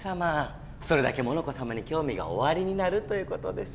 それだけモノコさまにきょうみがおありになるということです！